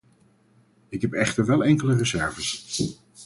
Ik heb echter wel enkele reserves.